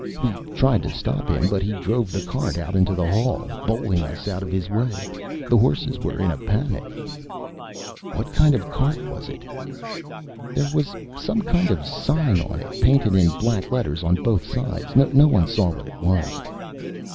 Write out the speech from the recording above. We tried to stop him but he drove the cart out into the hall, bowling us out of the way. The horses were in a panic." "What kind of cart was it?" "There was some kind of sign on it. Painted in black letters on both sides. No one saw what it was."